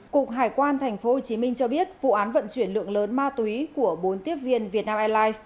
cục hải quan tp hcm cho biết vụ án vận chuyển lượng lớn ma túy của bốn tiếp viên việt nam airlines